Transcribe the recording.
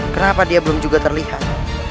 kenapa dia belum juga terlihat